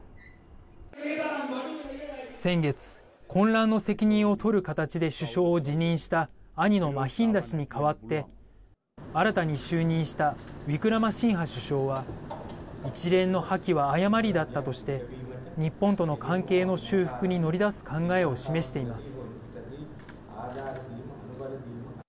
先月、混乱の責任を取る形で首相を辞任した兄のマヒンダ氏に代わって新たに就任したウィクラマシンハ首相は一連の破棄は誤りだったとして日本との関係の修復に乗り出す考えを示しています。